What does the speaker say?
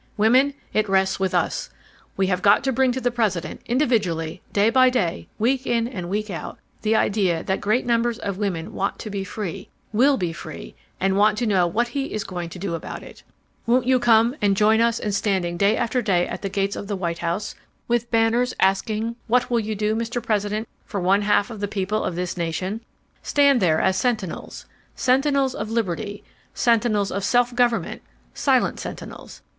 "Women, it rests with us. We have got to bring to the President, individually, day by day, week in and week out, the idea that great numbers of women want to be free, wall be free, and want to know what he is going to do about it. "Won't you come and join us in standing day after day at the gates of the White House with banners asking, 'What will you do, Mr. President, for one half the people of this nation?' Stand there as sentinels—sentinels of liberty, sentinels of self government—silent sentinels.